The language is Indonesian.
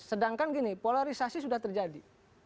sedangkan gini polarisasi sudah terjadi